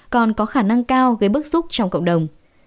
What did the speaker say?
còn có khả năng cao gây bức xúc trong cộng đồng